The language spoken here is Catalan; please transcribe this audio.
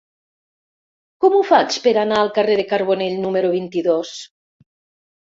Com ho faig per anar al carrer de Carbonell número vint-i-dos?